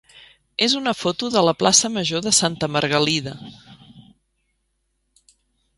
és una foto de la plaça major de Santa Margalida.